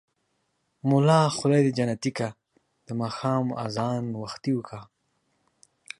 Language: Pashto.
ملا خداى دى جنتې که ـ د ماښام ازان وختې که.